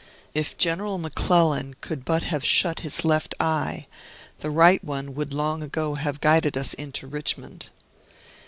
If General McClellan could but have shut his left eye, the right one would long ago have guided us into Richmond.